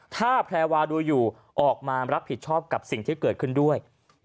ถ้าแพรวาดูอยู่ออกมารับผิดชอบกับสิ่งที่เกิดขึ้นด้วย